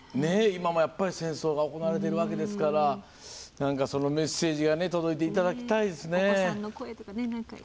今もやっぱり戦争が行われているわけですからメッセージが届いていただきたいですね。